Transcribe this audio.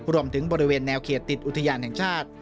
บริเวณแนวเขตติดอุทยานแห่งชาติ